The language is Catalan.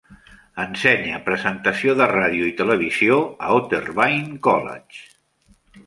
Ensenya presentació de ràdio i televisió a Otterbein College.